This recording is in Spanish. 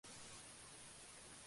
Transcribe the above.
My Life On and Off the Field"".